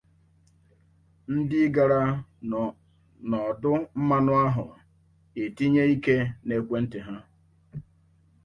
ndị gara n'ọdụ mmanụ ahụ etinye ike n’ekwenti ha.